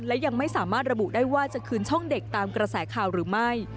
และยังไม่สามารถระบุได้ว่าจะคืนช่องเด็กตามกระแสข่าวหรือไม่